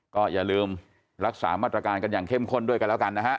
ก็อย่าลืมรักษามาตรการกันอย่างเข้มข้นด้วยกันแล้วกันนะฮะ